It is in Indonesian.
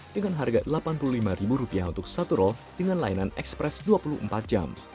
dengan harga rp delapan puluh lima untuk satu roll dengan layanan ekspres dua puluh empat jam